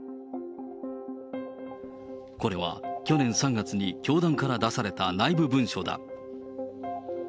これは、去年３月に教団から出された内部文書だ。